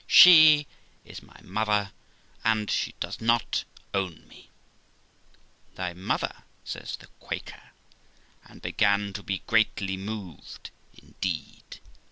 She is my mother ! and she does not own me !'' Thy mother !' says the Quaker, and began to be greatly moved indeed.